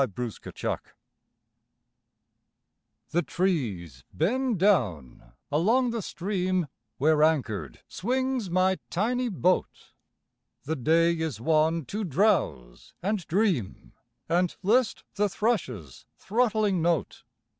A LAZY DAY The trees bend down along the stream, Where anchored swings my tiny boat. The day is one to drowse and dream And list the thrush's throttling note.